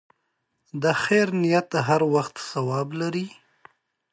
د خیر نیت هر وخت ثواب لري.